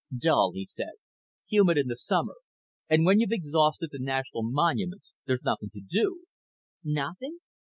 "Dull," he said. "Humid in the summer. And when you've exhausted the national monuments there's nothing to do." "Nothing?